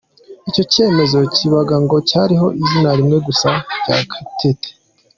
Icyo cyemezo kikaba ngo cyariho izina rimwe gusa rya Kateete.